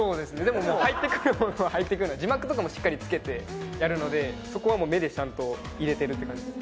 もう入ってくるものは入ってくる字幕とかもしっかりつけてやるのでそこはもう目でちゃんと入れてるって感じです